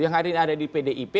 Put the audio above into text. yang ada di pdip